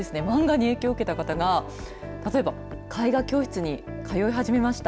漫画に影響を受けた方が例えば絵画教室に通い始めました。